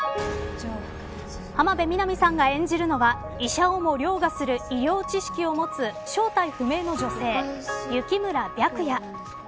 浜辺美波さんが演じるのは医者をも凌駕する医療知識を持つ正体不明の女性、雪村白夜。